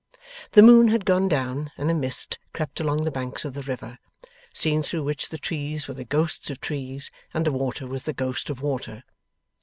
The moon had gone down, and a mist crept along the banks of the river, seen through which the trees were the ghosts of trees, and the water was the ghost of water.